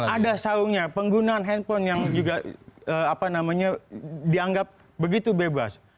ada saungnya penggunaan handphone yang juga dianggap begitu bebas